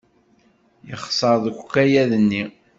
Yexṣer deg ukayad-nni.